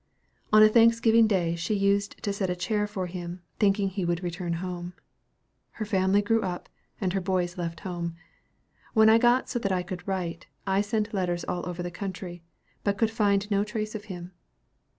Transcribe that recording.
"On a Thanksgiving day she used to set a chair for him, thinking he would return home. Her family grew up, and her boys left home. When I got so that I could write, I sent letters all over the country, but could find no trace of him.